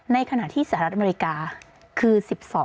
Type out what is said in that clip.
ในขณะที่สหรัฐอเมริกาคือ๑๒